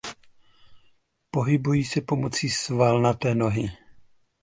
Pohybují se pomocí svalnaté nohy.